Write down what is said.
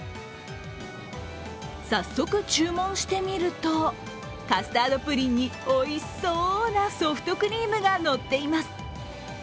早速注文してみると、カスタードプリンにおいしそうなソフトクリームがのっています。